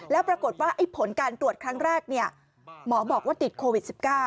แล้วปรากฏว่าผลการตรวจครั้งแรกหมอบอกว่าติดโควิด๑๙